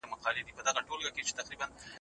که د نظر اختلاف وي نو استاد یې باید ومني.